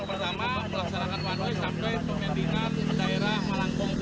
kondisi secara bagi hingga sore ini jadi puluh puluh kendaraan terus meningkat